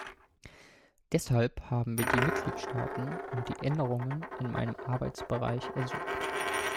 Deshalb haben wir die Mitgliedstaaten um die Änderungen in meinem Arbeitsbereich ersucht.